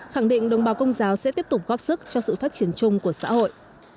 khẳng định đồng bào công giáo sẽ tiếp tục góp sức cho sự phát triển chung của xã hội